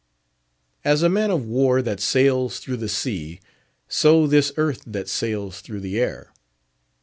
As a man of war that sails through the sea, so this earth that sails through the air.